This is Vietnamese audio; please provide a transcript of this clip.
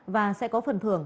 và sẽ có phần thưởng